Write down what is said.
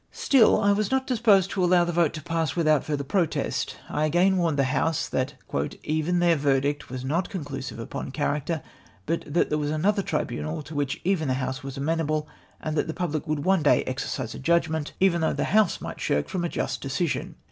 Still I was not disposed to allow the vote to pass without further protest. I again warned the House that " even then" verdict was not conclusive upon character, but that there was another tribunal to which even that House w^as amenable, and that the pubhc w^oiild one day exercise a judgment, even though tlie House might shrink from a just decision.